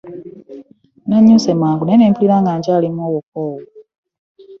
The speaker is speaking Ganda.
Nanyuse mangu naye mpulira nkyalimu obukoowu.